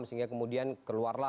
sehingga kemudian keluar lagi